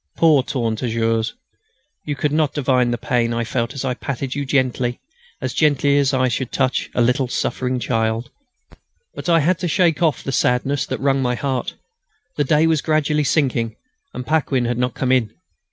Poor 'Tourne Toujours,' you could not divine the pain I felt as I patted you, as gently as I should touch a little suffering child! But I had to shake off the sadness that wrung my heart. The day was gradually sinking, and Paquin had not come in.